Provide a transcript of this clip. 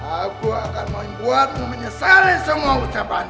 aku akan membuatmu menyesali semua ucapan